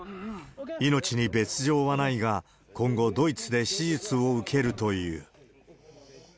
命に別状はないが、今後、ドイツで手術を受けるという。